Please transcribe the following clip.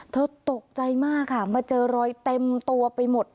ตกใจมากค่ะมาเจอรอยเต็มตัวไปหมด